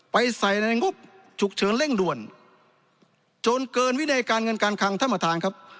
ใส่ในงบฉุกเฉินเร่งด่วนจนเกินวินัยการเงินการคังท่านประธานครับ